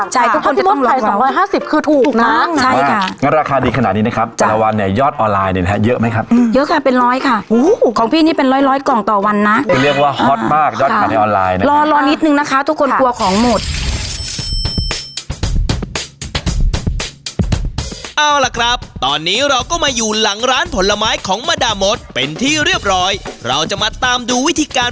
จริงจริงเพราะว่าหน่อยเป็นแฟนคับผลไม้นอกใช่ค่ะแล้วก็จะรู้ราคาทุกอย่างใช่ค่ะ